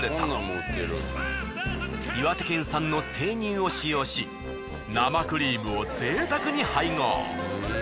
岩手県産の生乳を使用し生クリームをぜいたくに配合。